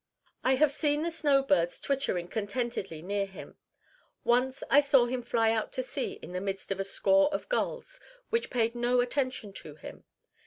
I have seen the snowbirds twittering contentedly near him. Once I saw him fly out to sea in the midst of a score of gulls, which paid no attention to him.